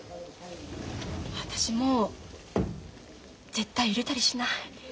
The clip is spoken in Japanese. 私もう絶対揺れたりしない。